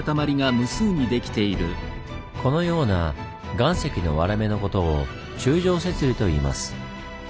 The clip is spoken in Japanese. このような岩石の割れ目のことを「柱状節理」といいます。